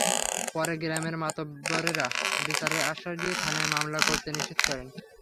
পরে গ্রামের মাতবরেরা বিচারের আশ্বাস দিয়ে থানায় মামলা করতে নিষেধ করেন।